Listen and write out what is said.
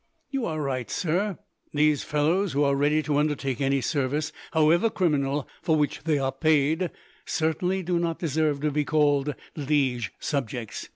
"You are right, sir. These fellows, who are ready to undertake any service, however criminal, for which they are paid, certainly do not deserve to be called liege subjects.